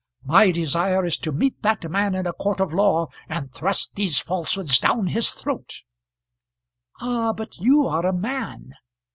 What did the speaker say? My desire is to meet that man in a court of law and thrust these falsehoods down his throat." "Ah! but you are a man."